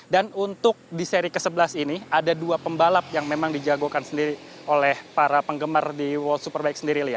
dan untuk di seri ke sebelas ini ada dua pembalap yang memang dijagokan sendiri oleh para penggemar di world superbike sendiri